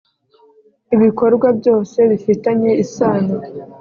Ibikorwa byose bifitanye isano